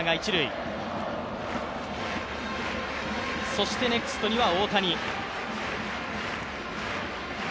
そしてネクストには大谷。